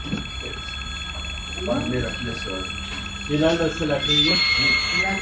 El gerente de proyecto acertado es aquel que enfoca esto como preocupación principal.